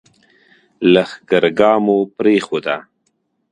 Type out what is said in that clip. لښکرګاه مو پرېښوده.